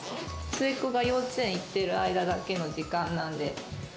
末っ子が幼稚園行ってる間だけの時間なんで。